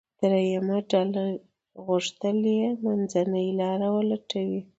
درېیمه ډله غوښتل یې منځنۍ لاره ولټوي.